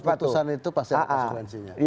keputusan itu pasti ada konsekuensinya